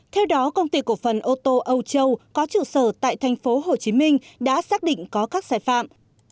theo đó công ty cổ phần ô tô âu châu có trụ sở tại tp hcm đã xác định có các sai phạm